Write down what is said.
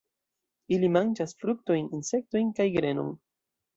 Ili manĝas fruktojn, insektojn kaj grenon.